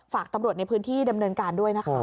ฝากตำรวจในพื้นที่ดำเนินการด้วยนะคะ